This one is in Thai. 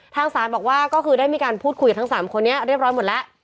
ทางศาลบอกว่าก็คือได้มีการพูดคุยกับทั้ง๓คนนี้เรียบร้อยหมดแล้ว